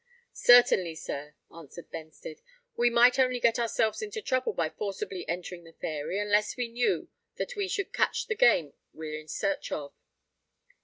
"Certainly, sir," answered Benstead. "We might only get ourselves into trouble by forcibly entering the Fairy, unless we knew that we should catch the game we're in search of."